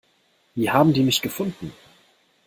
Wie haben die mich gefunden?